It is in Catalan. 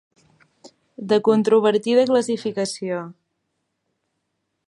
De controvertida classificació.